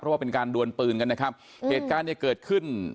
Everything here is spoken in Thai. ครับเอาเป็นการด่วนปืนนะครับเหตุการณ์จะเกิดขึ้น